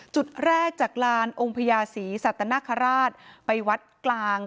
จุดแรกจากลานองค์พญาศรีสัตนคราชไปวัดกลาง